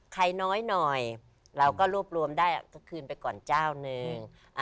ใครน้อยนอยเราก็รูปรวมได้ขึ้นไปก่อนเจ้าหนึ่ง